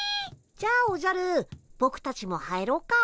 じゃあおじゃるぼくたちも入ろっか。